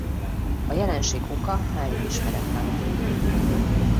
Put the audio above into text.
A jelenség oka máig ismeretlen.